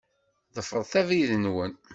Ḍefṛet abrid-nwen.